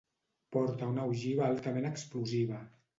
Porta una ogiva altament explosiva.